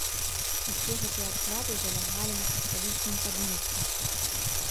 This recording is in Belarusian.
Усе гэтыя адклады залягалі на крышталічным падмурку.